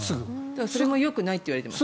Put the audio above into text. それもよくないといわれてます。